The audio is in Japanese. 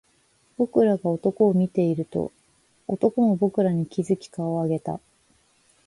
僕らが男を見ていると、男も僕らに気付き顔を上げた